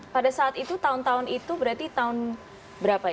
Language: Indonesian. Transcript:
pada saat itu tahun tahun itu berarti tahun berapa ya